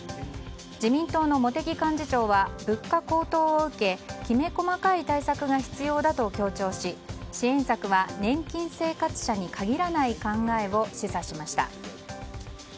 自民党の茂木幹事長は物価高騰を受けきめ細かい対策が必要だと強調し支援策は年金生活者に限らない考えを示唆しました。